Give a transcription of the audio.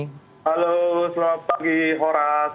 halo selamat pagi horas